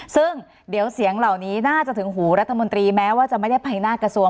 ซึ่งเดี๋ยวเสียงเหล่านี้น่าจะถึงหูรัฐมนตรีแม้ว่าจะไม่ได้ไปหน้ากระทรวง